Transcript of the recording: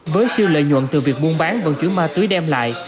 với siêu lợi nhuận từ việc buôn bán và chuẩn ma túy đem lại